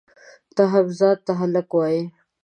ته هم ځان ته هلک وایئ؟!